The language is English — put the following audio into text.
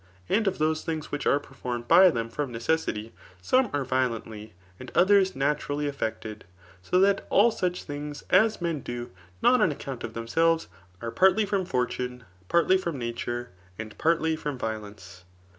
Ahd of those \vhich are performed by idiem from neces^ty, some are violently, and others naturally effected ; so that all such things as men do^ not on account of themselves, are partly from fortune, partly from nature^ and partly from violence.